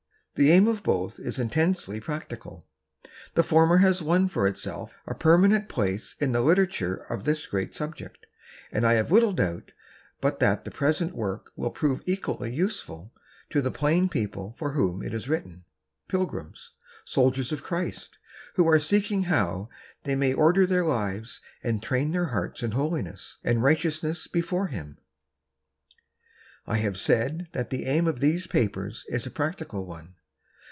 The aim of both is intensely practical. The former has won for itself a permanent place in the literature of this great subject, and I have little doubt but that the present work will prove equally useful to the plain people for whom it is written — pilgrims, soldiers of Christ, who are seeking how they may order their lives and train their hearts in holiness and righteousness before Him. I have said that the aim of these papers is a practical one.